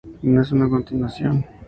No es una continuación.